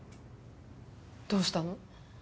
どうしたの？